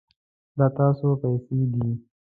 دا ستاسو پیسې دي